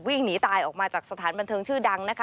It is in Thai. วิ่งหนีตายออกมาจากสถานบันเทิงชื่อดังนะคะ